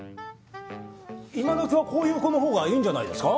今どきはこういう子のほうがいいんじゃないですか。